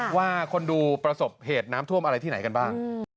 ว่าคนดูประสบเหตุน้ำท่วมอะไรที่ไหนกันบ้าง